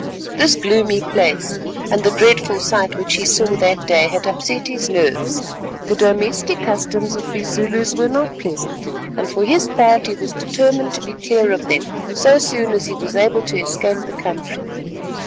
This gloomy place, and the dreadful sight which he saw that day, had upset his nerves. The domestic customs of these Zulus were not pleasant, and for his part he was determined to be clear of them so soon as he was able to escape the country.